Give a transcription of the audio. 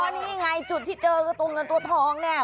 นี่ไงจุดที่เจอคือตัวเงินตัวทองเนี่ย